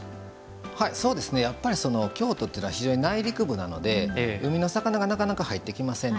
やっぱり京都というのは内陸部なので海の魚がなかなか入ってきません。